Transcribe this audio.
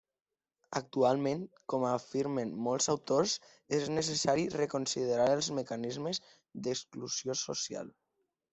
Actualment, com afirmen molts autors, és necessari reconsiderar els mecanismes d'exclusió social.